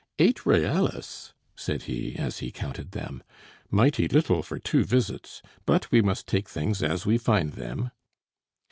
"Eight reales!" said he, as he counted them. "Mighty little for two visits! But we must take things as we find them."